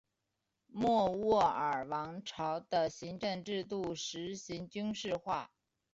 莫卧儿王朝的行政制度实行军事化。